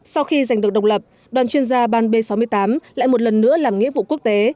sau khi giành được độc lập đoàn chuyên gia ban b sáu mươi tám lại một lần nữa làm nghĩa vụ quốc tế